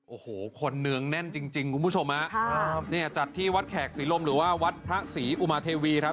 โอ้โหคนเนืองแน่นจริงจริงคุณผู้ชมฮะครับเนี่ยจัดที่วัดแขกศรีลมหรือว่าวัดพระศรีอุมาเทวีครับ